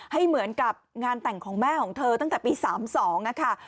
ให้เหมือนกับงานแต่งของแม่ของเธอตั้งแต่ปี๓๒นะคะ